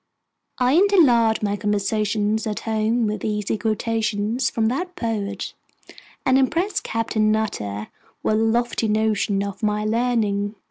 I interlard my conversation at home with easy quotations from that poet, and impress Captain Nutter with a lofty notion of my learning.